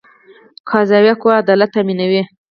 قضایه قوه عدالت تامینوي